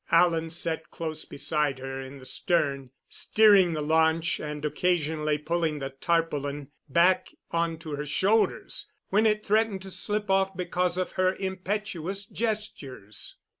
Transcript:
Alan sat close beside her in the stern, steering the launch and occasionally pulling the tarpaulin back onto her shoulders when it threatened to slip off because of her impetuous gestures.